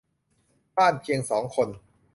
บ้านเพียง สอง คน